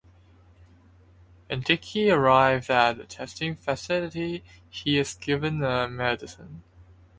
When Dickie arrives at the testing facility, he is given a medicine.